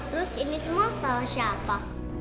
terus ini semua sama siapa